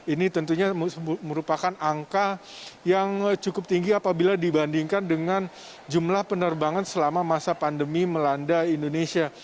ini tentunya merupakan angka yang cukup tinggi apabila dibandingkan dengan jumlah penerbangan selama masa pandemi melanda indonesia